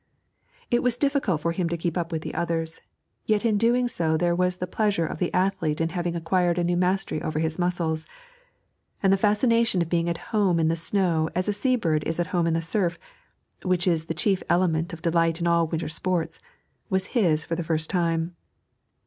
It was difficult for him to keep up with the others, yet in doing so there was the pleasure of the athlete in having acquired a new mastery over his muscles; and the fascination of being at home in the snow as a sea bird is at home in the surf, which is the chief element of delight in all winter sports, was his for the first time.